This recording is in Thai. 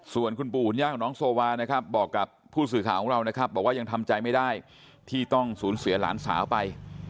ส่วนคุณปู่คุณย่าของน้องโซวานะครับบอกกับผู้สื่อข่าวของเรานะครับบอกว่ายังทำใจไม่ได้ที่ต้องสูญเสียหลานสาวไป